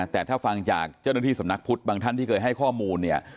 แต่ถ้าฟังจากเจ้าหน้าที่สำนักพุทธบางท่านที่เคยให้ข้อมูลเนี่ย